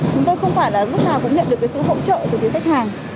chúng tôi không phải là lúc nào cũng nhận được cái sự hỗ trợ của cái khách hàng